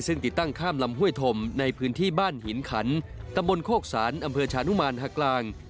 ซึ่งติดตั้งข้ามลำห้วยธมในพื้นที่บ้านหินขันตำบลโคกสารอำเภอชานุมานฮากลาง